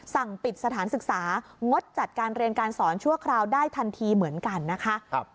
สั่งปิดสถานศึกษางดจัดการเรียนการสอนชั่วคราวได้ทันทีเหมือนกันนะคะ